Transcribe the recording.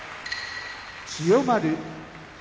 千代丸